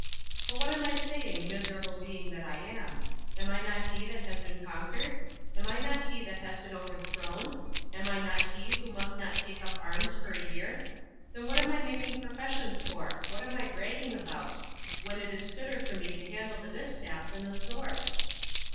But what am I saying, miserable being that I am? Am I not he that has been conquered? Am I not he that has been overthrown? Am I not he who must not take up arms for a year? Then what am I making professions for; what am I bragging about; when it is fitter for me to handle the distaff than the sword?"